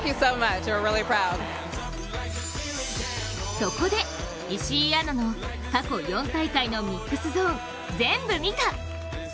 そこで、石井アナの過去４大会のミックスゾーンぜんぶ見た！